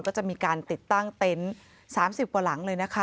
ก็จะมีการติดตั้งเต็นต์๓๐วันหลังเลย